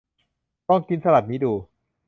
ลองกินสลัดนี้ดู